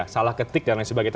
salah ketik dan lain sebagainya